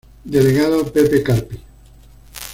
Delegado: Pepe Carpi.